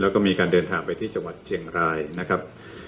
แล้วก็มีการเดินทางไปที่จังหวัดเชียงรายนะครับ